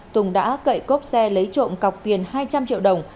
tùng đã cậy cốp xe lấy trộm cọc tiền hai trăm linh triệu đồng